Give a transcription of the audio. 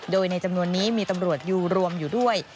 โดยในจำนวนนี้มีตำรวจอยู่รวมอยู่ด้วย